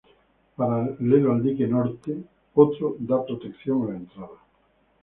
Paralelo al dique norte hay otro da protección a la entrada.